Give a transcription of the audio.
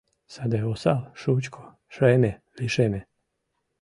Саде осал, шучко, шеме лишеме.